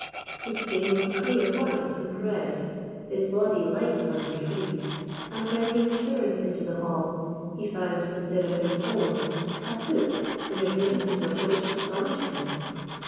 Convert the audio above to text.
His skin was clear white and red, his body lightsome and free; and when he returned into the hall, he found, instead of his own, a suit, the magnificence of which astonished him.